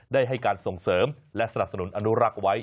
ได้ให้การส่งเสริมและสนับสนุนอนุรักษ์ไว้